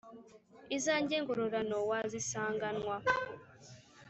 izanjye ngororano wazisanganwa.